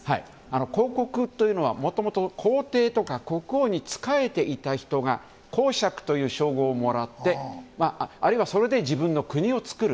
公国というのはもともと皇帝とか国王に仕えていた人が公爵という称号をもらってあるいはそれで自分の国を作る。